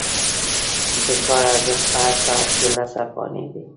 د کار ارزښت په هر ساعت کې لس افغانۍ دی